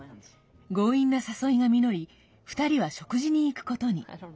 強引な誘いが実り２人は食事に行くことに。